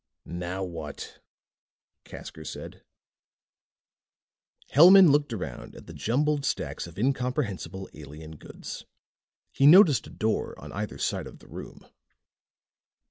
"Now what?" Casker said. Hellman looked around at the jumbled stacks of incomprehensible alien goods. He noticed a door on either side of the room.